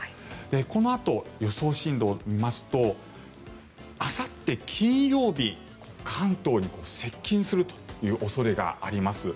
このあと、予想進路を見ますとあさって金曜日関東に接近する恐れがあります。